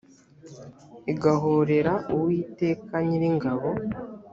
igahorera uwiteka nyiringabo